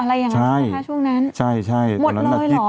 อะไรอย่างนั้นภูริบ้าช่วงนั้นหมดเลยเหรอ